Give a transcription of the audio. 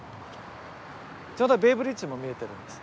ちょうどベイブリッジも見えてるんです。